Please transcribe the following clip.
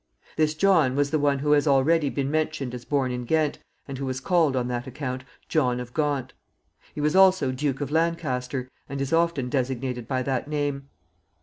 This John was the one who has already been mentioned as born in Ghent, and who was called, on that account, John of Gaunt. He was also Duke of Lancaster, and is often designated by that name.